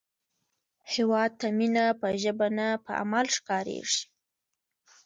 هیواد ته مینه په ژبه نه، په عمل ښکارېږي